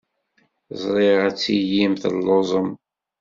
Ẓriɣ ad tilim telluẓem.